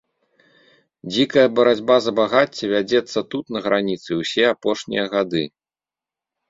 Дзікая барацьба за багацце вядзецца тут, на граніцы, усе апошнія гады.